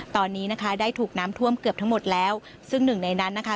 ตอนนี้นะคะได้ถูกน้ำท่วมเกือบทั้งหมดแล้วซึ่งหนึ่งในนั้นนะคะ